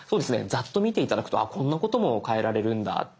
ざっと見て頂くとこんなことも変えられるんだって。